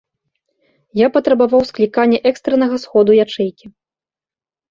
Я патрабаваў склікання экстраннага сходу ячэйкі.